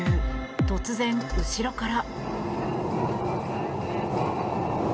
突然、後ろから。